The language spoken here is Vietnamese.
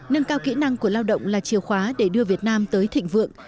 nâng cao kỹ năng của lao động là chìa khóa để đưa việt nam tới thịnh vượng